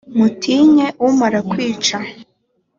mutinye umara kwica.